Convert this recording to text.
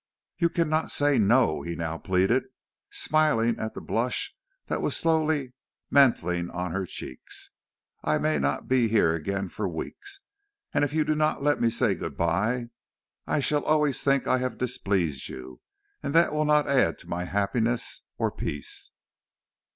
"You cannot say no," he now pleaded, smiling at the blush that was slowly mantling on her cheek. "I may not be here again for weeks, and if you do not let me say good by I shall always think I have displeased you, and that will not add to my happiness or peace."